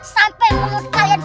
sampai mulut kalian